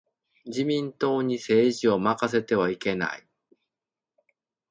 自民党に政治を任せてはいけない。